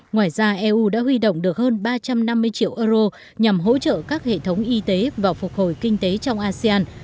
ngoài ra eu đã huy động được hơn ba trăm năm mươi triệu euro nhằm hỗ trợ các hệ thống y tế và phục hồi kinh tế trong asean